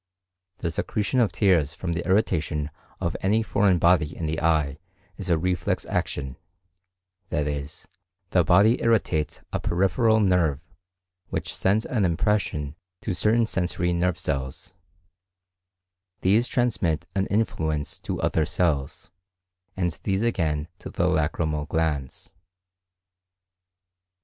The secretion of tears from the irritation of any foreign body in the eye is a reflex action;—that is, the body irritates a peripheral nerve which sends an impression to certain sensory nerve cells; these transmit an influence to other cells, and these again to the lacrymal glands.